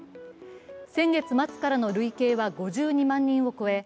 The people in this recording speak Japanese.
先月末からの累計は５２万人を超え